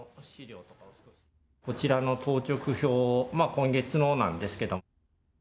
こちらの当直表、今月のなんですけど。